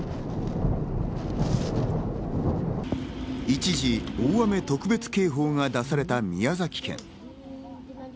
一時、大雨特別警報が出された宮崎県。